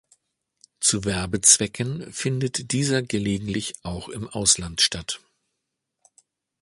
Zu Werbezwecken findet dieser gelegentlich auch im Ausland statt.